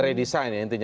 meredesain ya intinya ya